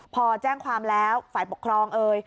พอแจ้งความแล้วฝ่ายปกครองเอ่ย